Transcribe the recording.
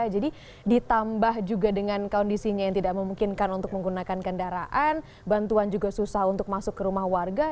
jadi ditambah juga dengan kondisinya yang tidak memungkinkan untuk menggunakan kendaraan bantuan juga susah untuk masuk ke rumah warga